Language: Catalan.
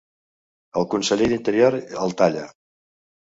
El conseller d'Interior el talla.